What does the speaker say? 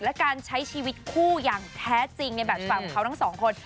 และการใช้ชีวิตคู่อย่างแท้จริงในแบบความเขาทั้งสองคน